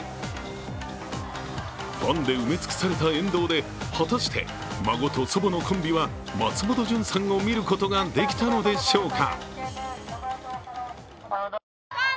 ファンで埋め尽くされた沿道で果たして、孫と祖母のコンビは松本潤さんを見ることができたのでしょうか。